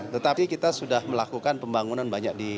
tetapi kita sudah melakukan pembangunan banyak di